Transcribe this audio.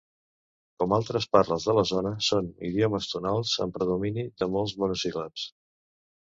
Com altres parles de la zona, són idiomes tonals amb predomini de mots monosíl·labs.